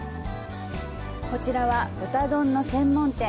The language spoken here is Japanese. こちらは、豚丼の専門店。